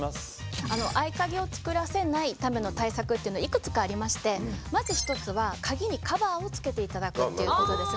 合鍵を作らせないための対策っていうのはいくつかありましてまず一つは鍵にカバーをつけていただくっていうことですね。